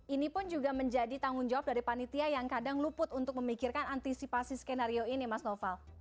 ini pun juga menjadi tanggung jawab dari panitia yang kadang luput untuk memikirkan antisipasi skenario ini mas noval